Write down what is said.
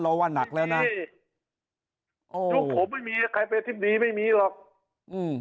ว่านักแล้วนะใช่อ๋อยุคผมไม่มีใครเป็นอธิบดีไม่มีหรอกอืม